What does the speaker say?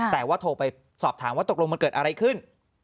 แต่ว่าโทรไปสอบถามว่าตกลงมันเกิดอะไรขึ้น